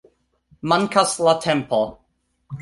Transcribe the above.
Mankas la tempo.